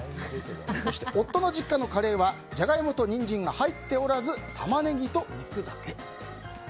そして夫の実家のカレーはジャガイモとニンジンが入っておらず、タマネギと肉だけ。